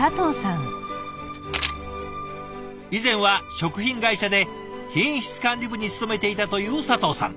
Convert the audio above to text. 以前は食品会社で品質管理部に勤めていたという佐藤さん。